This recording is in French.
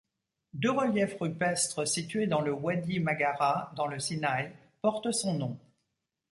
Deux reliefs rupestres situés dans le Ouadi Maghara dans le Sinaï portent son nom.